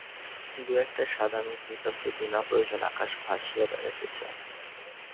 দুই-একটা সাদা মেঘ নিতান্তই বিনা প্রয়োজনে আকাশে ভাসিয়া বেড়াইতেছে।